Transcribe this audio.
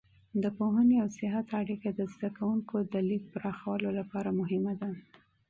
د پوهنې او سیاحت اړیکه د زده کوونکو د لید پراخولو لپاره مهمه ده.